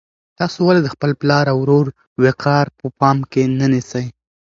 تاسو ولې د خپل پلار او ورور وقار په پام کې نه نیسئ؟